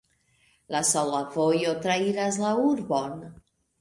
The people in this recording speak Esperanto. La sola vojo trairas la urbon.